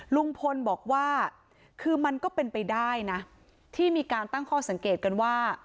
ลุงพลบอกว่าคือมันก็เป็นไปได้นะที่มีการตั้งข้อสังเกตกันว่า